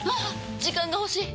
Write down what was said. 時間が欲しい！